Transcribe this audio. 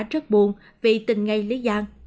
rất buồn vì tình ngây lý gian